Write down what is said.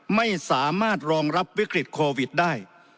ไม่สามารถรองรับวิกฤตโควิดได้